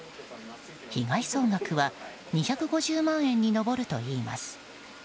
被害総額は２５０万円に上るといいます。